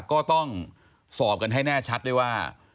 ก็ต้องสอบกันให้แน่ชัดด้วยว่า